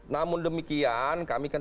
namun demikian kami kan